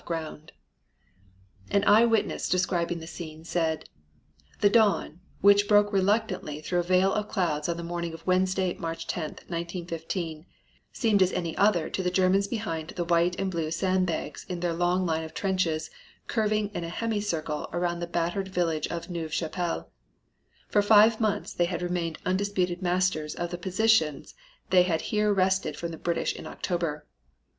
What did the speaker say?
] THE BATTLE GROUND OF NEUVE CHAPELLE An eye witness describing the scene said: "The dawn, which broke reluctantly through a veil of clouds on the morning of Wednesday, March 10, 1915, seemed as any other to the Germans behind the white and blue sandbags in their long line of trenches curving in a hemicycle about the battered village of Neuve Chapelle. For five months they had remained undisputed masters of the positions they had here wrested from the British in October.